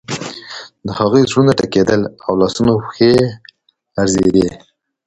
د هغوی زړونه ټکیدل او لاسونه او پښې یې لړزیدې